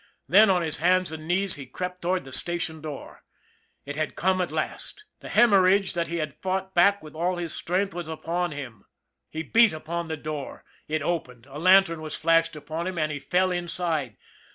Then, on his hands and knees, he crept toward the station door. It had come at last. The hemorrhage that he had fought back with all his strength was upon him. He beat 152 ON THE IRON AT BIG CLOUD upon the door. It opened, a lantern was flashed upon him, and he fell inside.